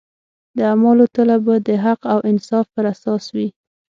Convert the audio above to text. د اعمالو تله به د حق او انصاف پر اساس وي.